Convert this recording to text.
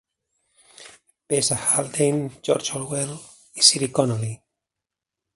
B. S. Haldane, George Orwell i Cyril Connolly.